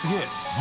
何？